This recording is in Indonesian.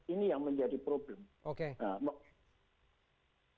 ini yang menjadi problem